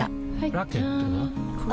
ラケットは？